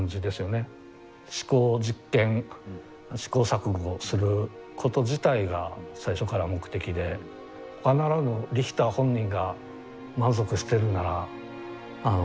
試行実験試行錯誤すること自体が最初から目的でほかならぬリヒター本人が満足してるならあのこれが集大成なんだろうと。